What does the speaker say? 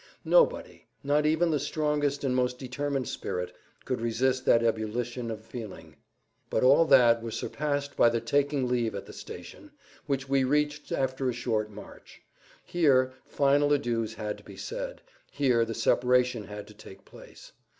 Nobody, not even the strongest and most[Pg 3] determined spirit, could resist that ebullition of feeling. But all that was surpassed by the taking leave at the station, which we reached after a short march. Here final adieus had to be said, here the separation had to take place.